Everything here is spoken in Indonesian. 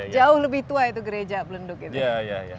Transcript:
jauh lebih tua itu gereja belenduk itu